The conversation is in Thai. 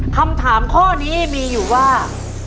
คำถามข้อนี้มีอยู่ว่า